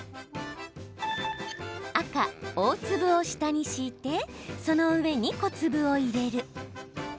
赤大粒を下に敷いてその上に小粒を入れる。